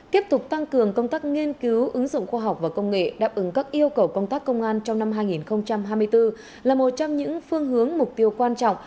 tiếp tục tăng cường công tác nghiên cứu ứng dụng khoa học và công nghệ đáp ứng các yêu cầu công tác công an trong năm hai nghìn hai mươi bốn là một trong những phương hướng mục tiêu quan trọng